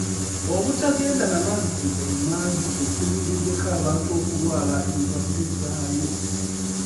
Obutagenda na mazzi emmanju kye kiviiriddeko abantu okulwala endwadde zaayo.